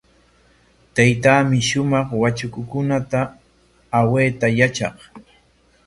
Taytaami shumaq watrakukunata awayta yatraq.